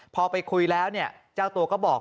พอไปคุยแล้วเจ้าตัวก็บอก